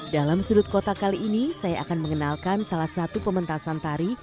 dalam sudut kota kali ini saya akan mengenalkan salah satu pementasan tari